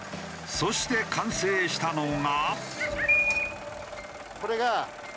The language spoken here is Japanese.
そして完成したのが。